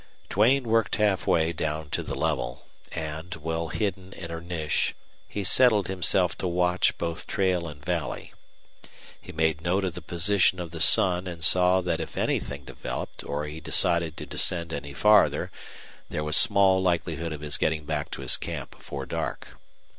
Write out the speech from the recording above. Duane worked half way down to the level, and, well hidden in a niche, he settled himself to watch both trail and valley. He made note of the position of the sun and saw that if anything developed or if he decided to descend any farther there was small likelihood of his getting back to his camp before dark.